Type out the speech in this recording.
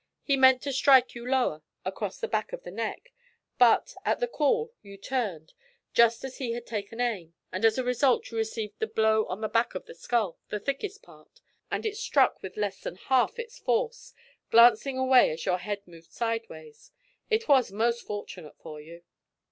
He meant to strike you lower, across the back of the neck; but, at the call, you turned, just as he had taken aim, and as a result you received the blow on the back of the skull, the thickest part; and it struck with less than half its force, glancing away as your head moved sidewise. It was most fortunate for you.'